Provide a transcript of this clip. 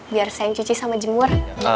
biar sayang cuci sama jemur